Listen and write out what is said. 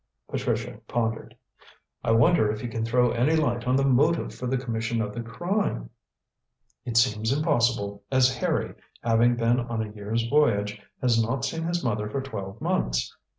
Patricia pondered. "I wonder if he can throw any light on the motive for the commission of the crime?" "It seems impossible, as Harry, having been on a year's voyage, has not seen his mother for twelve months.